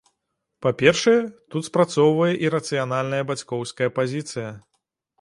Па-першае, тут спрацоўвае і рацыянальная бацькоўская пазіцыя.